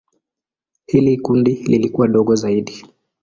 Hili kundi lilikuwa dogo zaidi.